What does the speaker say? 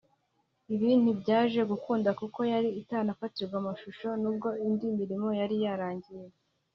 ibi ntibyaje gukunda kuko yari itaranafatirwa amashusho n’ubwo indi mirimo yari yarangiye